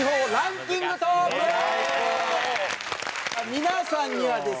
皆さんにはですね